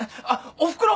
おふくろ